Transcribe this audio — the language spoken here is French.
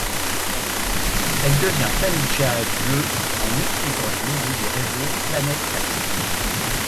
Elle devient Planète Jazz le en utilisant les logos du réseau Planète Radio.